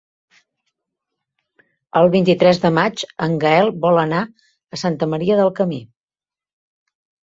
El vint-i-tres de maig en Gaël vol anar a Santa Maria del Camí.